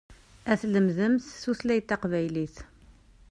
Ad tlemdemt tutlayt taqbaylit.